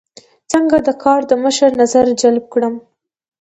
څنګه د ګارد د مشر نظر جلب کړم.